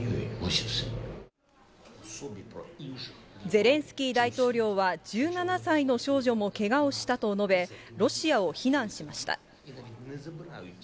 ゼレンスキー大統領は、１７歳の少女もけがをしたと述べ、ロシアを非難しました。